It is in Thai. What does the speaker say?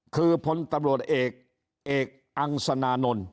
คือพตเออังสนานนท์